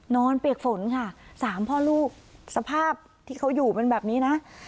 เปียกฝนค่ะสามพ่อลูกสภาพที่เขาอยู่เป็นแบบนี้นะ